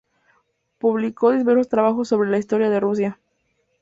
Publicó diversos trabajos sobre la historia de Rusia.